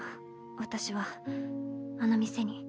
私はあの店に。